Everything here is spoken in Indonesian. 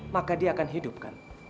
maka dia akan hidupkan